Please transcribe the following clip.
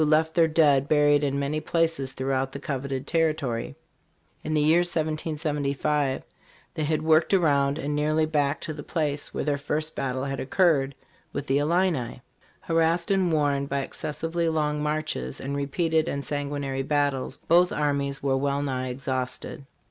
left their dead buried in many places throughout the coveted territory. In the year 1775 they had worked around THE POTTAWATOMIES. 63 and nearly back to the place where their first battle had occurred with the Illini. Harassed and worn by excessively long marches and repeated and sanguinary battles, both armies were well nigh exhausted.